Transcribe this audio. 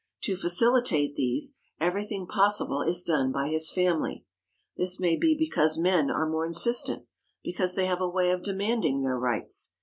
To facilitate these, everything possible is done by his family. This may be because men are more insistent, because they have a way of demanding their rights.